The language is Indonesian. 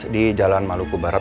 di jalan maluku barat